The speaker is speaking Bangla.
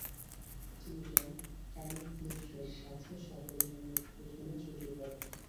তিনি জন টানিক্লিফের সাথে সফলতম উদ্বোধনী জুটি গড়েন।